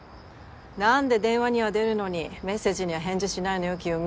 何で電話には出るのにメッセージには返事しないのよ清美。